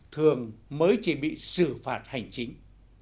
thường mới chỉ bị xử phạt hành chính